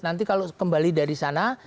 nanti kalau kembali dari sana